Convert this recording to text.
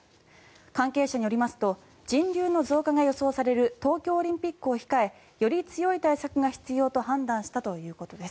関係者によりますと人流の増加が予想される東京オリンピックを控えより強い対策が必要と判断したということです。